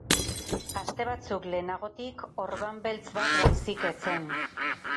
Aste batzuk lehenagotik, orban beltz bat baizik ez zen.